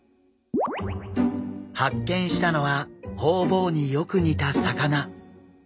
発見したのはホウボウによく似た魚。